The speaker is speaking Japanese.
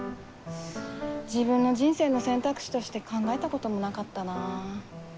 自分の人生の選択肢として考えたこともなかったなぁ。